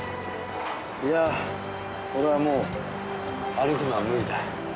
いや俺はもう歩くのは無理だ。